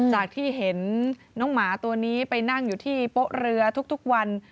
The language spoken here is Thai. จากที่เห็นน้องหมาตัวนี้ไปนั่งอยู่ที่โป๊ะเรือทุกวัน